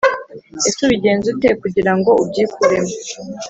ese ubigenza gute kugira ngo ubyikuremo?